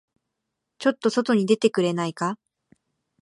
ちょっと外に出てくれないか。